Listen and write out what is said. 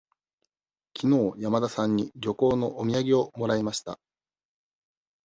きのう山田さんに旅行のお土産をもらいました。